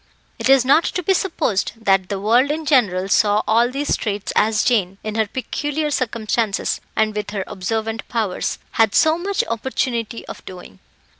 It is not to be supposed that the world in general saw all these traits as Jane, in her peculiar circumstances, and with her observant powers, had so much opportunity of doing.